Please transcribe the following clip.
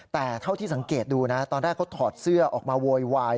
แต่เท่าที่สังเกตดูนะตอนแรกเขาถอดเสื้อออกมาโวยวาย